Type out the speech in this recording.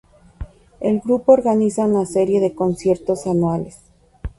El grupo organiza una serie de conciertos anuales.